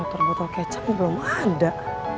botol botol kecap belum ada